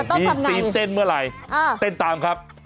จะต้องทำไงมีศีลเต้นเมื่อไหร่เต้นตามครับ